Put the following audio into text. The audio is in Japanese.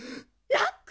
ラック！